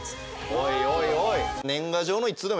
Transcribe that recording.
おいおいおい。